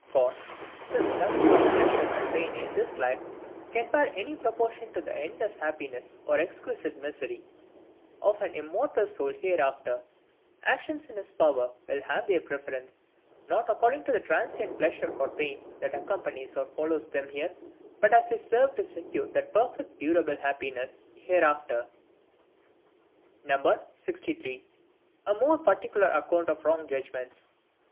For, since nothing of pleasure and pain in this life can bear any proportion to the endless happiness or exquisite misery of an immortal soul hereafter, actions in his power will have their preference, not according to the transient pleasure or pain that accompanies or follows them here, but as they serve to secure that perfect durable happiness hereafter. 63. A more particular Account of wrong Judgments.